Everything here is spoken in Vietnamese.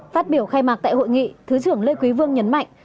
phát biểu khai mạc tại hội nghị thứ trưởng lê quý vương nhấn mạnh